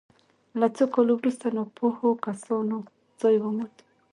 له څو کالو وروسته ناپوهو کسانو ځای وموند.